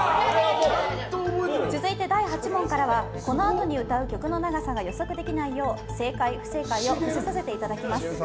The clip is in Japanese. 第８問からはこのあとに歌う曲の長さが予測できないよう正解・不正解を伏せさせていただきます。